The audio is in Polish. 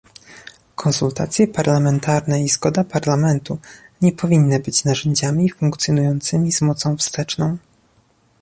Konsultacje parlamentarne i zgoda Parlamentu nie powinny być narzędziami funkcjonującymi z mocą wsteczną